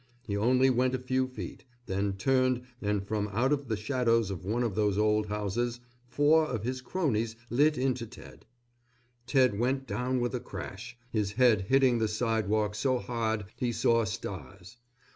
He only went a few feet, then turned and from out of the shadows of one of those old houses, four of his cronies lit into Ted. Ted went down with a crash, his head hitting the sidewalk so hard he saw stars.